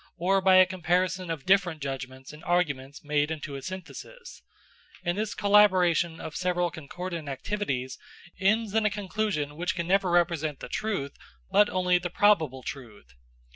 or by a comparison of different judgments and arguments made into a synthesis; and this collaboration of several concordant activities ends in a conclusion which can never represent the truth, but only the probable truth.